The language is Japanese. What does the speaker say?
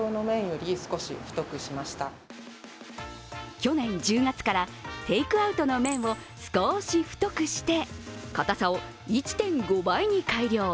去年１０月からテイクアウトの麺を少し太くして、硬さを１．５倍に改良。